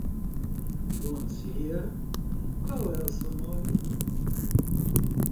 Bom dia. Qual é o seu nome?